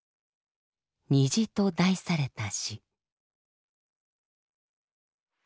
「虹」と題された詩。